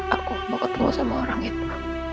aku bakal tunggu sama orang itu